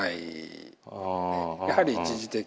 やはり一時的。